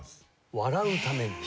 笑うためにね。